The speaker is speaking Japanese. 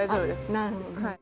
なるほど。